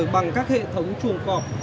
bằng các hệ thống chuồng cọp